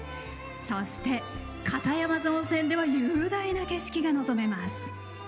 そして、片山津温泉では雄大な景色が望めます。